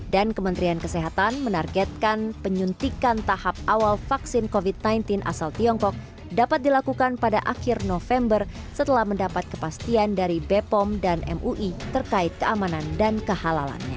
dan kementerian kesehatan menargetkan penyuntikan tahap awal vaksin covid sembilan belas asal tiongkok dapat dilakukan pada akhir november setelah mendapat kepastian dari bepom dan mui terkait keamanan dan kehalalannya